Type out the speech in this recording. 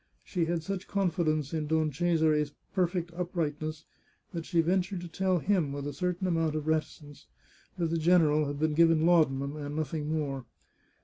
She had such confidence in Don Cesare's perfect uprightness that she ventured to tell him, with a certain amount of reticence, that the general had been given laudanum, and nothing more.